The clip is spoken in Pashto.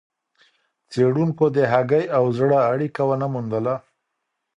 څېړونکو د هګۍ او زړه اړیکه ونه موندله.